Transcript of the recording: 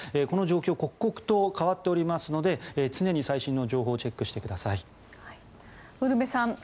この状況刻々と変わっておりますので常に最新の情報をチェックしてください。